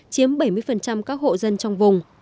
chiếm bảy mươi các hộ dân trong vùng